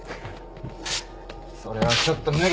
それはちょっと無理。